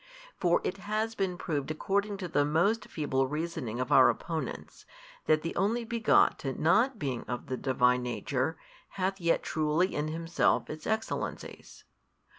For it has been proved according to the most feeble reasoning of our opponents, that the Only Begotten not being of the Divine Nature, hath yet truly in Himself Its Excellencies.